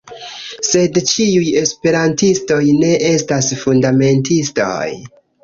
Sed ĉiuj Esperantistoj ne estas fundamentistoj?